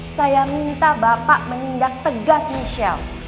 saya minta bapak menindak tegas michelle